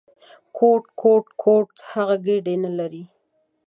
_کوټ، کوټ، کوټ… هغوی ګېډې نه لري!